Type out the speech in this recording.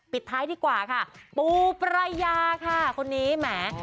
ปิดท้ายดีกว่าค่ะปูปรายาค่ะคนนี้แหม